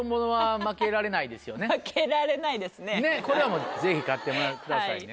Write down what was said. これはもうぜひ勝ってもらってくださいね。